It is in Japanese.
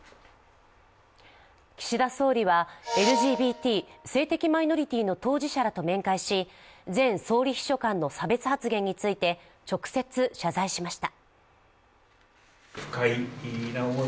岸田総理はＬＧＢＴ＝性的マイノリティーの当事者らと面会し前総理秘書官の差別発言について直接、謝罪しました。